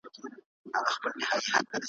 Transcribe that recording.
رشتیا خبري یا مست کوي یا لني ,